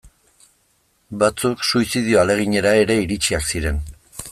Batzuk suizidio ahaleginera ere iritsiak ziren.